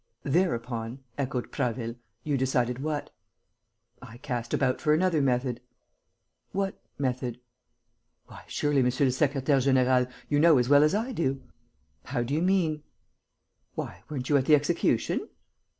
"Thereupon," echoed Prasville, "you decided what?" "I cast about for another method." "What method?" "Why, surely, monsieur le secrétaire; général, you know as well as I do!" "How do you mean?" "Why, weren't you at the execution?"